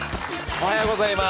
おはようございます。